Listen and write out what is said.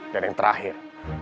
dan yang terakhir